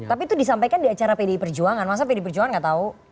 tapi itu disampaikan di acara pdi perjuangan masa pdi perjuangan nggak tahu